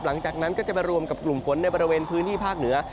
หลังจากนั้นก็จะมารวมกับกลุ่มฝนในบริเวณพื้นที่ภาคเหนือ